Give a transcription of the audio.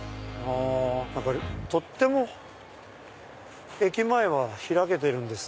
何かとっても駅前は開けてるんですね。